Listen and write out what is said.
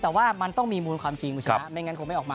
แต่ว่ามันต้องมีมูลความจริงคุณชนะไม่งั้นคงไม่ออกมา